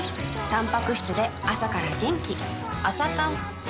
たんぱく質で朝から元気